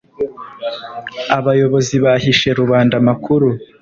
abayobozi bahishe rubanda amakuru